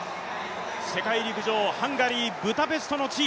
世界陸上ハンガリー・ブダペストの地。